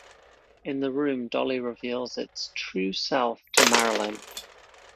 In the room Dolly reveals its true self to Marilyn.